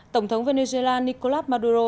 tổng thống venezuela nicolás maduro